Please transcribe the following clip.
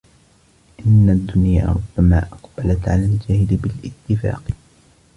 إنَّ الدُّنْيَا رُبَّمَا أَقْبَلَتْ عَلَى الْجَاهِلِ بِالِاتِّفَاقِ